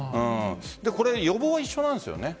予防、一緒なんですよね。